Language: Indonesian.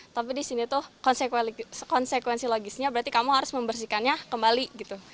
tapi di sini itu konsekuensi logisnya berarti kamu harus membersihkannya kembali gitu